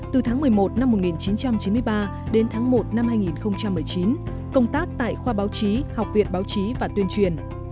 từ tháng một mươi một năm một nghìn chín trăm chín mươi ba đến tháng một năm hai nghìn một mươi chín công tác tại khoa báo chí học viện báo chí và tuyên truyền